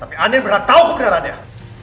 tapi andin beneran tau kebenarannya